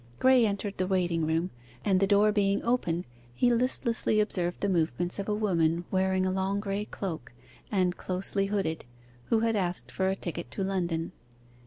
Graye entered the waiting room, and the door being open he listlessly observed the movements of a woman wearing a long grey cloak, and closely hooded, who had asked for a ticket for London.